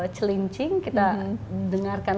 celincing kita dengarkan